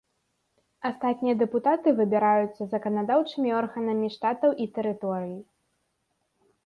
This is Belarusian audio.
Астатнія дэпутаты выбіраюцца заканадаўчымі органамі штатаў і тэрыторый.